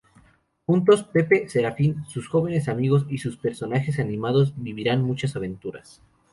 Juntos, Pepe, Serafín, sus jóvenes amigos y sus personajes animados vivirán muchas aventuras.